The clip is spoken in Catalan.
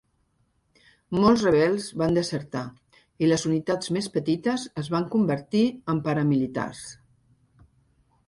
Molts rebels van desertar, i les unitats més petites es van convertir en paramilitars.